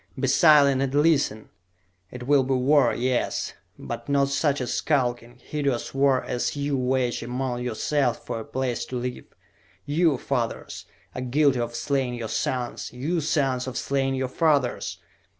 "Be silent and listen! It will be war, yes; but not such a skulking, hideous war as ye wage among yourselves for a place to live! You, fathers, are guilty of slaying your sons! You, sons, of slaying your fathers!